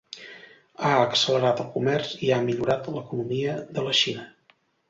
Ha accelerat el comerç i ha millorat l'economia de la Xina.